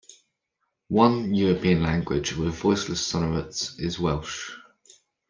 One European language with voiceless sonorants is Welsh.